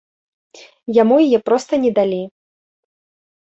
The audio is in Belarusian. Яму яе проста не далі.